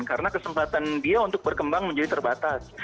karena kesempatan dia untuk berkembang menjadi terbatas